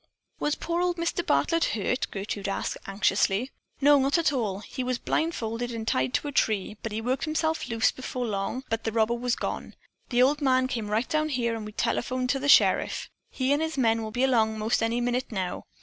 "Was poor old Mr. Bartlett hurt?" Gertrude asked anxiously. "No, not at all. He was blindfolded and tied to a tree, but he worked himself loose before long, but the robber was gone. The old man came right down here and we telephoned to the sheriff. He and his men will be along most any minute now.